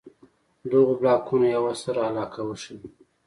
دغو بلاکونو یوه سره علاقه وښيي.